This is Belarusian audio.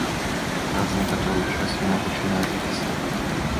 Праз некаторы час яна пачынае закісаць.